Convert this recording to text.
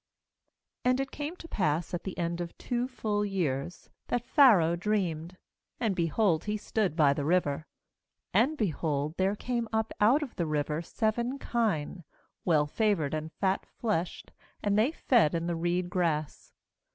~| And it came to pass at the end 1* x of two full years, that Pharaoh dreamed: and, behold, he stood by the ariver. 2And, behold, there came up out of the river seven kine, well favoured and fat fleshed; and they fed in the reed grass.